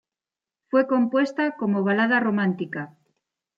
Fue compuesta como balada romántica.